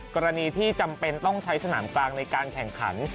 กรณีที่จำเป็นต้องใช้สนามกลางในการแข่งขัน